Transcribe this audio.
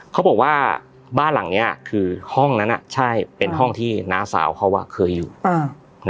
เขาบอกว่าบ้านหลังนี้คือห้องนั้นใช่เป็นห้องที่น้าสาวเขาเคยอยู่